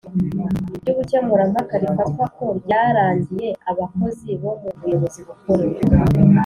ry ubukemurampaka rifatwa ko ryarangiye Abakozi bo mu buyobozi bukuru